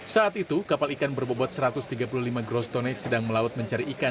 saat itu kapal ikan berbobot satu ratus tiga puluh lima gross tonight sedang melaut mencari ikan